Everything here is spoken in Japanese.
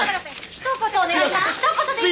ひと言お願いします。